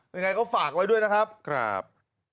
ยังไงก็ฝากไว้ด้วยนะครับ